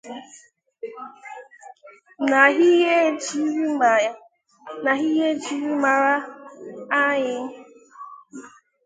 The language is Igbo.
na ihe e jiri mara anyị